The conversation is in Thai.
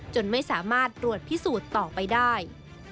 จนไม่สามารถรวดพิสูจน์ต่อไปได้